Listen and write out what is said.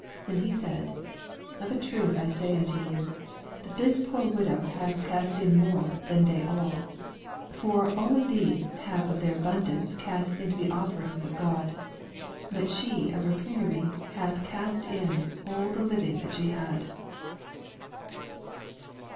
8 And he said, Of a truth I say unto you, that this poor widow hath cast in more than they all, 4 For all these have of their abun dance cast in unto the offerings of God : but she of her penury hath cast in IelII the living that she had.